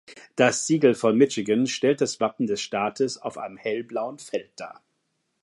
Das Siegel von Michigan stellt das Wappen des Staates auf einem hellblauen Feld dar.